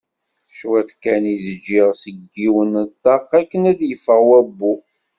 Cwiṭ kan i d-ǧǧiɣ seg yiwen n ṭṭaq akken ad yeffeɣ wabbu.